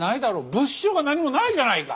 物証が何もないじゃないか！